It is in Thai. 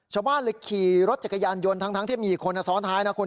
ชาวบ้านเลยขี่รถจักรยานยนต์ทั้งที่มีอีกคนซ้อนท้ายนะคุณ